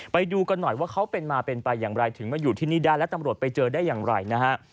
ไปดูกันหน่อยว่าเขาเป็นมาเป็นไปอย่างไรถึงมาอยู่ที่นี่ได้แล้วตำรวจไปเจอได้อย่างไรนะฮะ